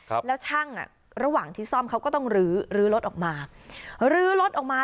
ครับแล้วช่างอ่ะระหว่างที่ซ่อมเขาก็ต้องลื้อลื้อรถออกมาลื้อรถออกมา